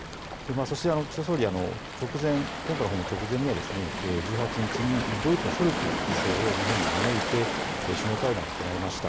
そして岸田総理、今回の訪問直前には１８日にドイツのショルツ首相を日本に招いて首脳会談を行いました。